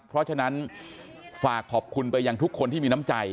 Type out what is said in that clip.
เพราะฉะนั้นฝากขอบคุณไปยังทุกคนที่มีน้ำใจ